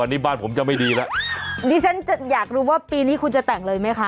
นี่ฉันอยากรู้ว่าปีนี้คุณจะแต่งเลยไหมคะ